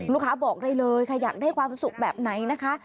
บอกได้เลยค่ะอยากได้ความสุขแบบไหนนะคะ